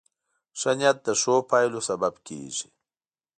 ښه نیت د ښو پایلو سبب کېږي.